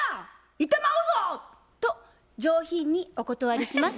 いてまうぞ！と上品にお断りします。